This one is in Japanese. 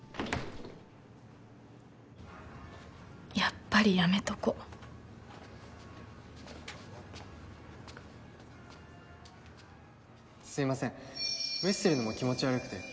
やっぱりやめとこすいません無視するのも気持ち悪くて